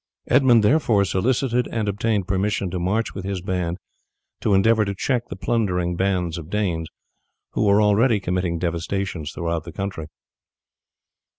Edmund therefore solicited and obtained permission to march with his band to endeavour to check the plundering bands of Danes, who were already committing devastations throughout the country.